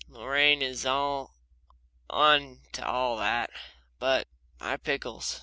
Lorraine is on to all that. But, my pickles!